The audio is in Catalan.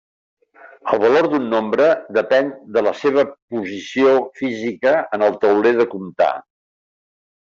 El valor d'un nombre depèn de la seva posició física en el tauler de comptar.